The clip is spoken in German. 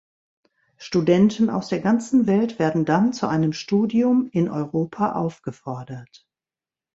Studenten aus der ganzen Welt werden dann zu einem Studium in Europa aufgefordert.